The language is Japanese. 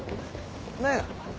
何や？